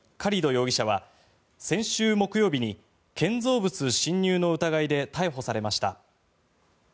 容疑者は先週木曜日に建造物侵入の疑いで逮捕されました。